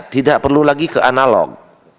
tidak perlu lagi ke analog